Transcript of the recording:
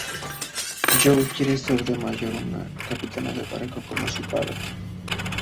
You quiere ser de mayor una capitana de barco, como su padre.